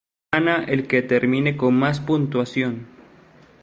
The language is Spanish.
Gana el que termine con más puntuación.